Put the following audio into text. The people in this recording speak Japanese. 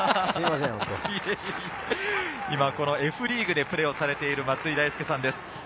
Ｆリーグでプレーをされている松井大輔さんです。